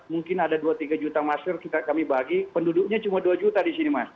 mungkin ada dua tiga juta masker kami bagi penduduknya cuma dua juta di sini mas